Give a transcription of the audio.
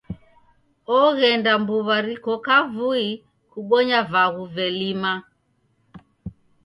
Oghenda mbuw'a riko kavui kubonya vaghu velima.